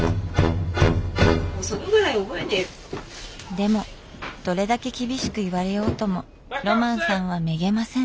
でもどれだけ厳しく言われようともロマンさんはめげません。